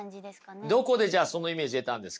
どこでじゃあそのイメージ得たんですか？